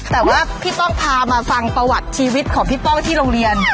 แต่ว่าพี่ป้องพามาฟังประวัติชีวิตของพี่ป้องที่โรงเรียน